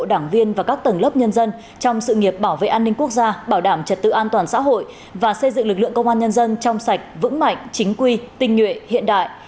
đảng viên và các tầng lớp nhân dân trong sự nghiệp bảo vệ an ninh quốc gia bảo đảm trật tự an toàn xã hội và xây dựng lực lượng công an nhân dân trong sạch vững mạnh chính quy tinh nhuệ hiện đại